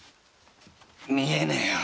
見えねえよ！